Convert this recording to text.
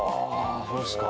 そうですか。